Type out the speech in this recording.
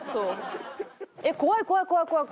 えっ怖い怖い怖い怖い。